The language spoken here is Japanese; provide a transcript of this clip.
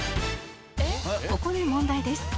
「ここで問題です」